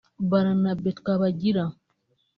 Baranabe Twabagira